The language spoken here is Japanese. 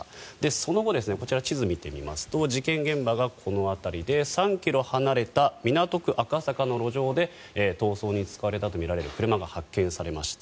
その後こちらの地図を見てみますと事件現場がこの辺りで３ｋｍ離れた港区赤坂の路上で逃走に使われたとみられる車が発見されました。